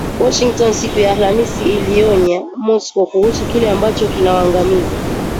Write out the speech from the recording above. Washington siku ya Alhamisi iliionya Moscow kuhusu kile ambacho kinawaangamiza